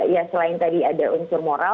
ya selain tadi ada unsur moral